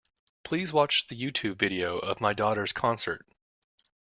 Please watch the Youtube video of my daughter's concert